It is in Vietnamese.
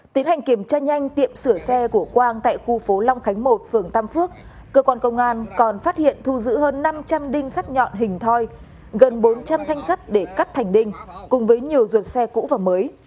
tiến hành kiểm tra nhanh tiệm sửa xe của quang tại khu phố long khánh một phường tam phước cơ quan công an còn phát hiện thu giữ hơn năm trăm linh đinh sắt nhọn hình thoi gần bốn trăm linh thanh sắt để cắt thành đinh cùng với nhiều ruột xe cũ và mới